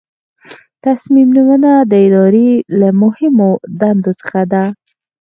تصمیم نیونه د ادارې له مهمو دندو څخه ده.